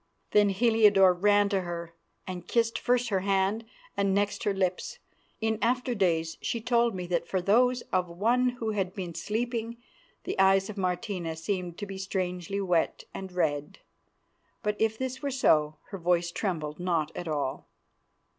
Then Heliodore ran to her and kissed first her hand and next her lips. In after days she told me that for those of one who had been sleeping the eyes of Martina seemed to be strangely wet and red. But if this were so her voice trembled not at all.